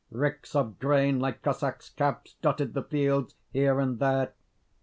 Ricks of grain, like Cossack's caps, dotted the fields here and there.